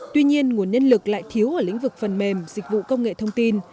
tuy nhiên nguồn nhân lực lại thiếu ở lĩnh vực phần mềm dịch vụ công nghệ thông tin